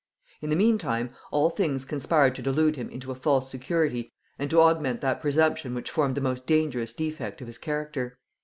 In the meantime, all things conspired to delude him into a false security and to augment that presumption which formed the most dangerous defect of his character.